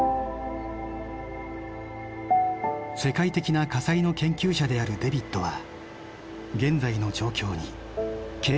世界的な火災の研究者であるデヴィッドは現在の状況に警鐘を鳴らす。